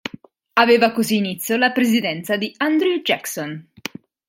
Aveva così inizio la presidenza di Andrew Jackson.